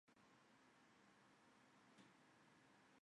清朝及中华民国学者。